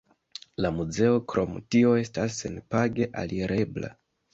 La muzeo krom tio estas senpage alirebla.